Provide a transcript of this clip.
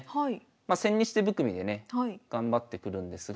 ま千日手含みでね頑張ってくるんですが。